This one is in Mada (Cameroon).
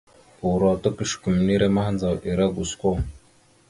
Uro ta kʉsəkumere mahəndzaw ere gosko.